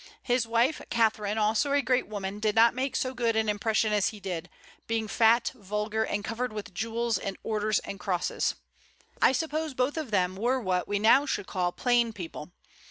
His wife Catherine, also a great woman, did not make so good an impression as he did, being fat, vulgar, and covered with jewels and orders and crosses. I suppose both of them were what we now should call "plain people."